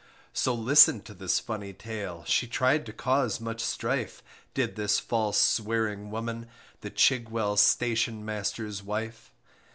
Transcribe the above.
So listen to this funny tale, She tried to cause much strife. Did this false swearing woman, The Chigwell Station master's wife.